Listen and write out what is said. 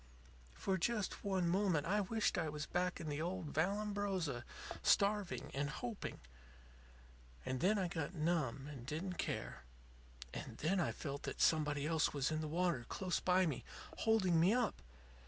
"For just one moment I wished I was back in the old Vallambrosa, starving and hoping. And then I got numb, and didn't care. And then I felt that somebody else was in the water close by me, holding me up.